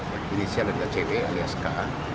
yang inisialnya adalah cewek alias ka